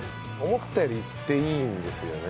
思ったよりいっていいんですよね。